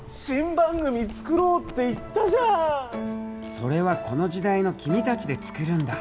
それはこの時代の君たちで作るんだ。